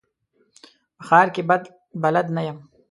په ښار کي بلد نه یم .